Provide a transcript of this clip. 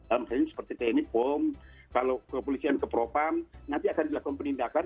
maksudnya seperti teknik pom kalau ke polisi yang ke propam nanti akan dilakukan penindakan